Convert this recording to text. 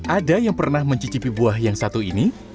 ada yang pernah mencicipi buah yang satu ini